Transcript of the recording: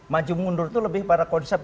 maju mundur itu lebih pada konsep